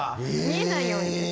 見えないように。